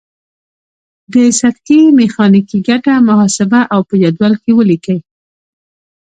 د سطحې میخانیکي ګټه محاسبه او په جدول کې ولیکئ.